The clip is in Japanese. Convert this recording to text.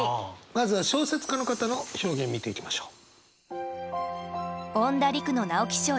まずは小説家の方の表現見ていきましょう。